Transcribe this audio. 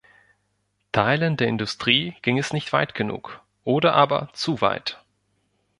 Teilen der Industrie ging es nicht weit genug oder aber zu weit.